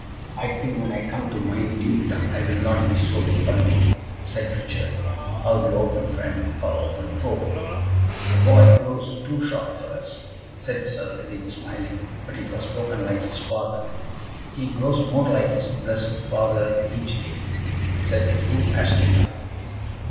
"I think, when I come to my dukedom, I will not be so politic," said Richard. "I will be an open friend or an open foe." "The boy grows too sharp for us," said Sir Eric, smiling, "but it was spoken like his father." "He grows more like his blessed father each day," said Fru Astrida.